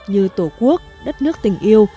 như tổ quốc đất nước tình yêu